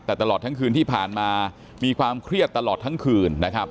แต่ตลอดทั้งคืนที่ผ่านมามีความเครียดตลอดทั้งคืนนะครับ